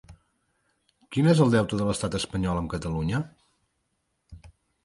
Quin és el deute de l'estat espanyol amb Catalunya?